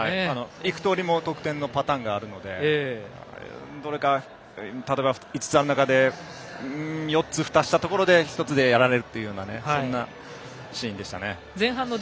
幾とおりも得点のパターンがあるので例えば５つある中で４つふたしたところで１つでやられるとかそういうシーンでしたね。